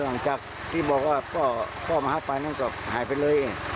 แล้วหลังจากที่บอกพ่อมาหักไฟเราต้องหายไปเลย